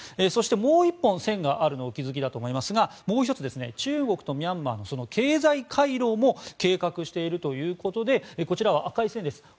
そして、もう一本線があるのをお気付きだと思いますがもう１つ中国とミャンマーの経済回廊も計画しているということでこちらは赤い線です。